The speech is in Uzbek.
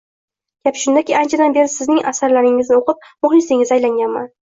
Gap shundaki, anchadan beri sizning asarlaringizni o`qib, muhlisingizga aylanganman